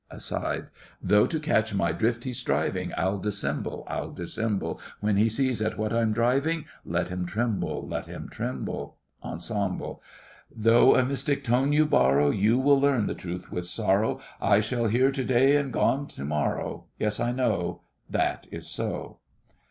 (Aside.) Though to catch my drift he's striving, I'll dissemble—I'll dissemble; When he sees at what I'm driving, Let him tremble—let him tremble! ENSEMBLE Though a mystic tone { I } borrow, you You will } learn the truth with sorrow, I shall Here to day and gone to morrow; Yes, I know— That is so!